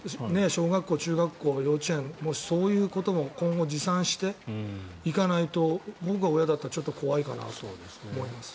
小学校、中学校、幼稚園もしあったら今後、持参していかないと僕が親だったらちょっと怖いかなと思います。